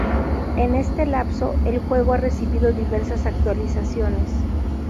En este lapso, el juego ha recibido diversas actualizaciones.